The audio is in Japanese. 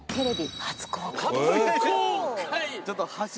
初公開！